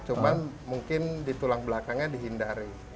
cuman mungkin di tulang belakangnya dihindari